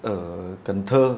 ở cần thơ